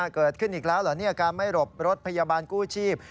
เกิดขึ้นอีกแล้วเหรอเนี่ยการไม่หลบรถพยาบาลกู้ชีพ